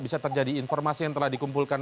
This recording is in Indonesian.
bisa terjadi informasi yang telah dikumpulkan